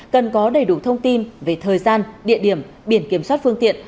cần có đầy đủ thông tin về thời gian địa điểm biển kiểm soát phương tiện